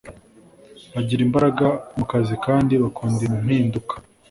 bagira imbaraga mu kazi kandi bakunda impinduka